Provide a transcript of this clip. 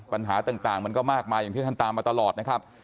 ปัญหาต่างมันก็มากมายอย่างที่ท่านตามมาตลอดนะครับ